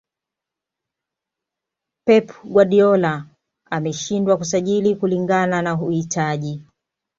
pep guardiola ameshindwa kusajili kulingana na uhitaji